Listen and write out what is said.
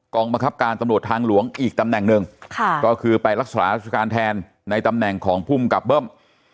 บังคับการตำรวจทางหลวงอีกตำแหน่งหนึ่งค่ะก็คือไปรักษาราชการแทนในตำแหน่งของภูมิกับเบิ้ม